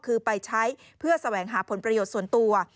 คือไปใช้เพื่อแสวงหาผลประโยชน์ส่วนตัว